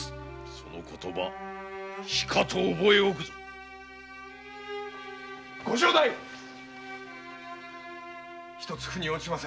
その言葉しかと覚えおくぞご城代一つ腑におちませぬ。